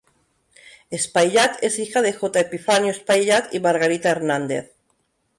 Espaillat es hija de J. Epifanio Espaillat y Margarita Hernández.